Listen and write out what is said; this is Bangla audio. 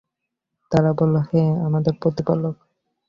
তারা বলল, হে আমাদের প্রতিপালক!